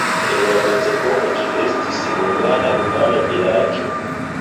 En la mezepoko ĝi estis hungara-rumana vilaĝo.